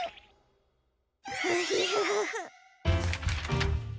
フフフフフ。